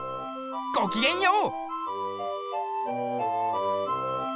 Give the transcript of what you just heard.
ごきげんよう！